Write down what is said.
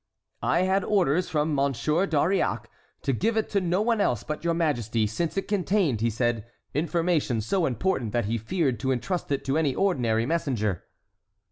"I had orders from Monsieur d'Auriac to give it to no one else but your majesty, since it contained, he said, information so important that he feared to entrust it to any ordinary messenger."